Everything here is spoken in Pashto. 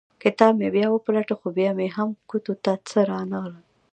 کتاب مې بیا وپلټه خو بیا مې هم ګوتو ته څه رانه غلل.